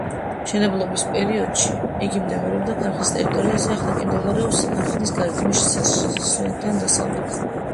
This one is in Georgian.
მშენებლობის პერიოდში იგი მდებარეობდა ქარხნის ტერიტორიაზე, ახლა კი მდებარეობს ქარხნის გარეთ, მისი შესასვლელიდან დასავლეთით.